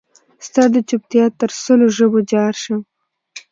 ستا دچوپتیا تر سلو ژبو جارشم